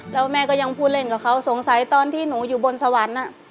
แล้วแม่ก็ยังพูดเล่นกับเขาสงสัยตอนที่หนูอยู่บนสวรรค์